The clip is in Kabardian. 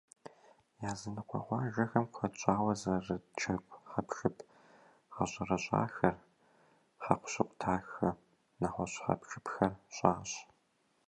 Языныкъуэ къуажэхэм куэд щӏауэ зэрыджэгу хьэпшып гъэщӏэрэщӏахэр, хьэкъущыкъу дахэ, нэгъуэщӏ хьэпшыпхэр щащӏ.